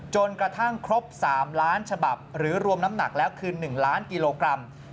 จนกระทั่งครบ๓ล้านฉบับหรือรวมน้ำหนักแล้วคือ๑ล้านกิโลกรัม